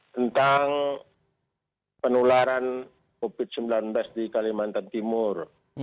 tentang penularan covid sembilan belas di kalimantan timur